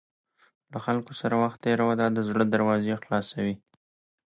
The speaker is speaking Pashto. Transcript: له خلکو سره وخت تېروه، دا د زړه دروازې خلاصوي.